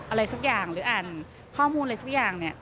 อะไรสักอย่างหรืออ่านข้อมูลอะไรสักอย่างเนี่ย